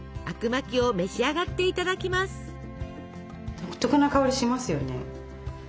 独特な香りしますよね。